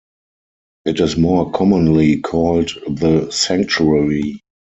It is more commonly called the sanctuary.